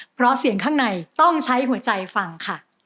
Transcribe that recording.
เพราะเสียงข้างในต้องใช้หัวใจฟังค่ะ